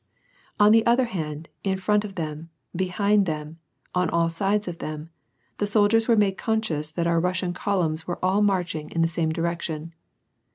On the other hand, in front of them, behind them, on all sides of them, the soldiers were made oonscioos that our Russian columns were all marching in the same direction.